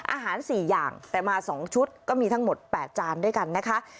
อาหาร๔อย่างแต่มา๒ชุดก็มีทั้งหมด๘จานด้วยกันนะคะ